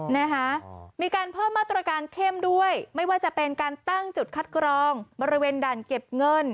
นะคะมีการเพิ่มมาตรการเข้มด้วยไม่ว่าจะเป็นการตั้งจุดคัดกรองบริเวณด่านเก็บเงิน